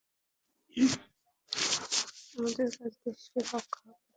আমাদের কাজ দেশকে রক্ষা করা।